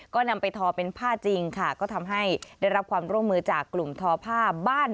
ก็นำไปทอเป็นผ้าจริงค่ะก็ทำให้ได้รับความร่วมมือจากกลุ่มทอผ้าบ้าน